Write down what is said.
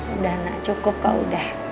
udah gak cukup kok udah